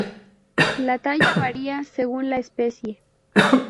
La talla varía según la especie.